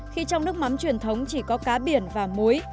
khi trong nước mắm truyền thống chỉ có cá biển và muối